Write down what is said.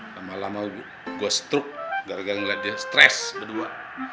lama lama gue stroke gara gara ngeliat dia stres berdua